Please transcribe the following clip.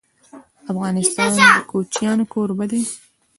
افغانستان د کوچیان کوربه دی.